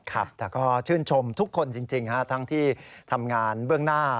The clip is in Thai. ครับแต่ก็ชื่นชมทุกคนจริงทั้งที่ทำงานเบื้องหน้า